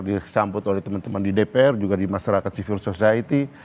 disambut oleh teman teman di dpr juga di masyarakat civil society